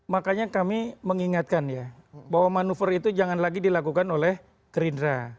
makanya kami mengingatkan ya bahwa manuver itu jangan lagi dilakukan oleh gerindra